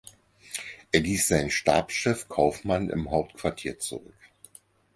Er ließ seinen Stabschef Kauffmann im Hauptquartier zurück.